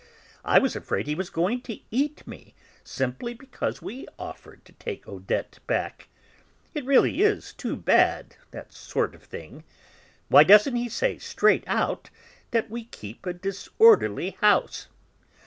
"I was afraid he was going to eat me, simply because we offered to take Odette back. It really is too bad, that sort of thing. Why doesn't he say, straight out, that we keep a disorderly house?